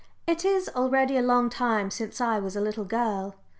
It is already a long time since I was a little girl.